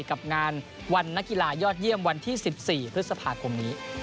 กับงานวันนักกีฬายอดเยี่ยมวันที่๑๔พฤษภาคมนี้